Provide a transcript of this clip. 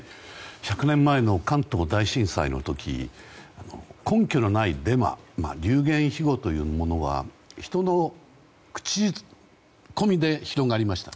１００年前の関東大震災の時根拠のないデマ流言飛語というものは人の口コミで広がりました。